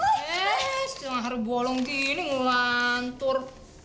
eh jangan harus bolong gini ngelantur